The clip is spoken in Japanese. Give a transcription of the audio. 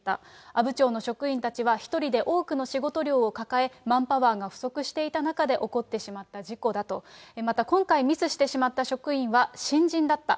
阿武町の職員たちは、１人で多くの仕事量を抱え、マンパワーが不足していた中で起こってしまった事故だと、また今回、ミスしてしまった職員は新人だった。